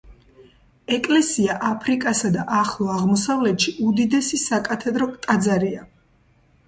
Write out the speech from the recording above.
ეკლესია აფრიკასა და ახლო აღმოსავლეთში უდიდესი საკათედრო ტაძარია.